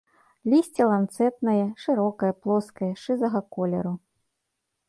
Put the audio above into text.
Лісце ланцэтнае, шырокае, плоскае, шызага колеру.